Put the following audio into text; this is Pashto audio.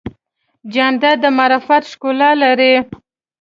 جانداد د معرفت ښکلا لري.